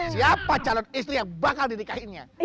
siapa calon istri yang bakal dinikahinnya